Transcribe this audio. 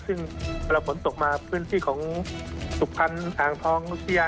ซึ่งเวลาฝนตกมาพื้นที่ของสุขพันธ์ทางท้องลูกพิยา